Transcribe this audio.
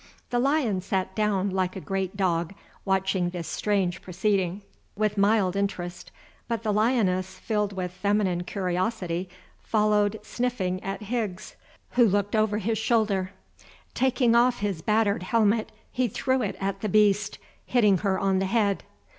The lion sat down like a great dog, watching this strange proceeding with mild interest, but the lioness, filled with feminine curiosity, followed sniffing at Higgs, who looked over his shoulder. Taking off his battered helmet, he threw it at the beast, hitting her on the head.